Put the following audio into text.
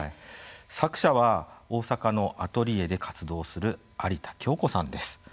作者は大阪のアトリエで活動する有田京子さんです。